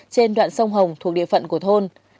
trên đoạn sông hồng thuộc địa phận của thôn